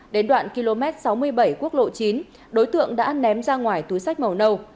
đến đoạn km sáu mươi bảy quốc lộ chín đối tượng đã ném ra ngoài túi sách màu nâu